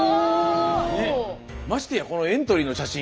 ましてやこのエントリーの写真